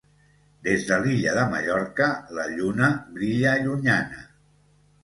Des de l'illa de Mallorca la lluna brilla llunyana.